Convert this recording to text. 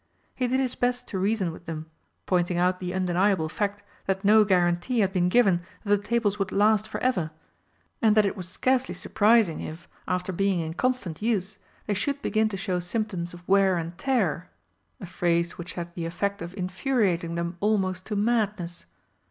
He did his best to reason with them, pointing out the undeniable fact that no guarantee had been given that the tables would last for ever, and that it was scarcely surprising if, after being in constant use, they should begin to show symptoms of wear and tear a phrase which had the effect of infuriating them almost to madness.